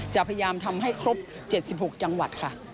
จะพยายามทำให้ครบ๗๖จังหวัดค่ะ